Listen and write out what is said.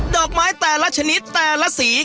ดอกไม้แต่ละชนิดแต่ละสี